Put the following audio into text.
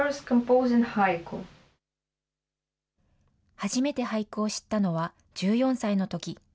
初めて俳句を知ったのは１４歳のとき。